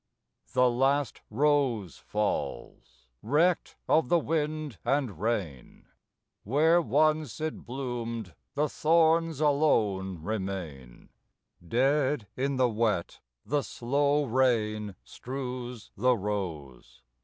The last rose falls, wrecked of the wind and rain; Where once it bloomed the thorns alone remain: Dead in the wet the slow rain strews the rose.